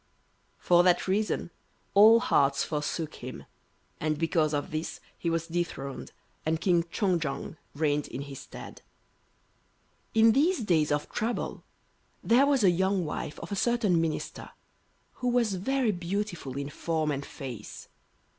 For that reason all hearts forsook him, and because of this he was dethroned, and King Choong jong reigned in his stead. In these days of trouble there was a young wife of a certain minister, who was very beautiful in form and face.